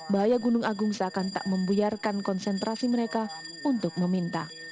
bahaya gunung agung seakan tak membuyarkan konsentrasi mereka untuk meminta